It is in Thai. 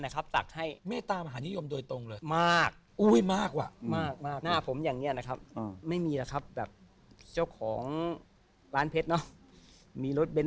แต่เขาบอกเมตรมาหาดิโยคที่สุดตั้งแต่ศักดิ์มาคืออันไหน